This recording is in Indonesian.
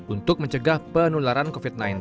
untuk mencegah penularan covid sembilan belas